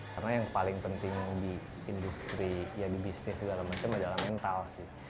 karena yang paling penting di industri di bisnis segala macam adalah mental sih